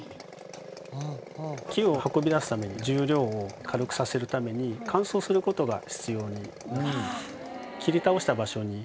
木を運び出すために重量を軽くさせるために乾燥する事が必要になります。